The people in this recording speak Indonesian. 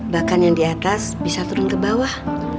bahkan yang di atas bisa turun ke bawah